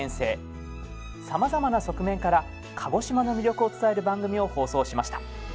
さまざまな側面から鹿児島の魅力を伝える番組を放送しました。